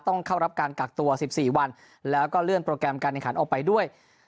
ต้องเข้ารับการกักตัว๑๔วันแล้วก็เลื่อนโปรแกรมการแข่งขันออกไปด้วย